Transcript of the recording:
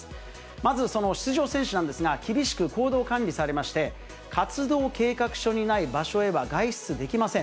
まず出場選手なんですが、厳しく行動管理されまして、活動計画書にない場所へは外出できません。